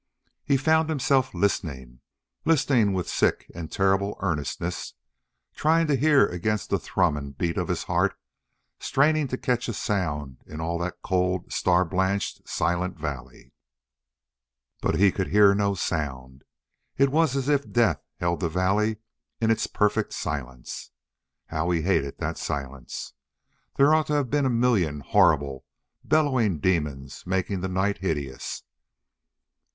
He found himself listening listening with sick and terrible earnestness, trying to hear against the thrum and beat of his heart, straining to catch a sound in all that cold, star blanched, silent valley. But he could hear no sound. It was as if death held the valley in its perfect silence. How he hated that silence! There ought to have been a million horrible, bellowing demons making the night hideous.